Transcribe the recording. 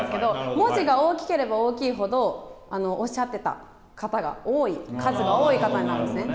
文字が大きければ大きいほど、おっしゃっていた方が多い、数が多いものですね。